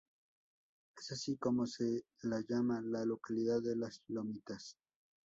Es así como se la llama "La Localidad de Las Lomitas".